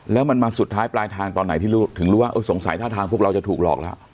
แล้วมันมาสุดท้ายปลายทางตอนไหนที่ถึงรู้ว่าสงสัยท่าทางพวกเราจะถูกหลอกแล้ว